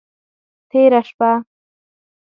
تیره شپه…